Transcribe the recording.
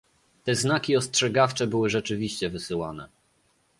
Te znaki ostrzegawcze były rzeczywiście wysyłane